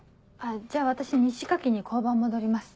じゃあ私日誌書きに交番戻ります。